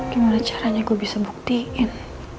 gimana caranya gue bisa buktiin